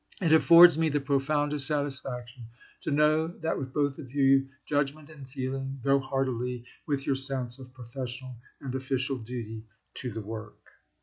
It affords me the profoundest satisfaction to know, that with both of you judgment and feeling go heartily with your sense of professional and official duty to the work."